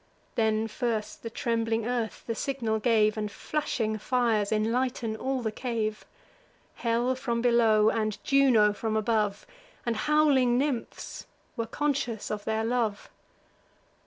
Then first the trembling earth the signal gave, And flashing fires enlighten all the cave; Hell from below, and Juno from above, And howling nymphs, were conscious of their love.